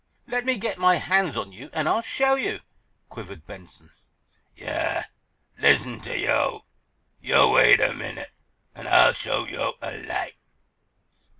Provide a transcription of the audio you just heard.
"Let me get my hands on you, and I'll show you!" quivered Benson. "Yah! Listen to yo'! Yo' wait er minute, an' Ah'll show yo' a light."